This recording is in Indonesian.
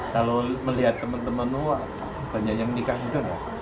kalau melihat teman teman tua banyak yang menikah juga ya